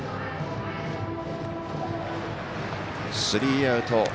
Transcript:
スリーアウト。